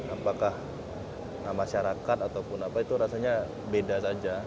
apakah masyarakat ataupun apa itu rasanya beda saja